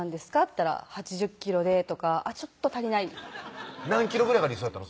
言ったら「８０キロで」とかちょっと足りない何キロぐらいが理想やったの？